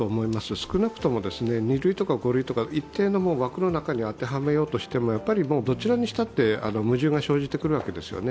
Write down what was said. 少なくとも２類とか５類とか、一定の枠の中に当てはめようとしてもやっぱりどちらにしたって矛盾が生じてくるわけですよね。